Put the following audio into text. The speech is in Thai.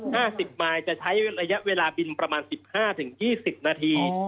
ห้าสิบมายจะใช้ระยะเวลาบินประมาณสิบห้าถึงยี่สิบนาที